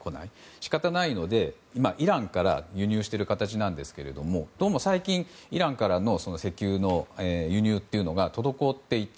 仕方ないので今、イランから輸入している形なんですがどうも最近イランからの石油の輸入が滞っていて。